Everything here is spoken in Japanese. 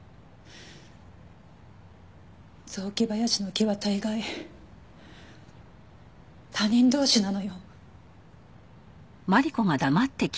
雑木林の木は大概他人同士なのよ。